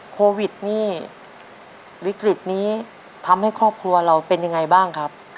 โควิดนี่วิกฤตนี้ทำให้ครอบครัวเราเป็นยังไงบ้างครับ